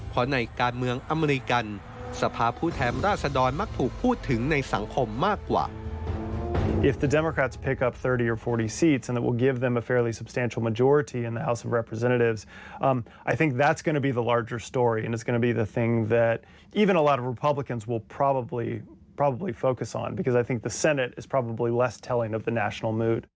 เพราะในการเมืองอเมริกันสภาพผู้แทนราชดรมักถูกพูดถึงในสังคมมากกว่า